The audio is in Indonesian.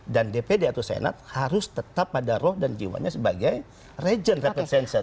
dan dpd atau senat harus tetap pada roh dan jiwanya sebagai region representation